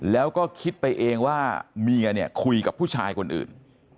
แล้วก็คิดไปเองว่าเมียเนี่ยคุยกับผู้ชายคนอื่น